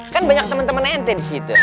kan banyak temen temen ente di situ